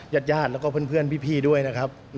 ญาติญาติแล้วก็เพื่อนพี่ด้วยนะครับ